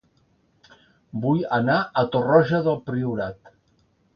Vull anar a Torroja del Priorat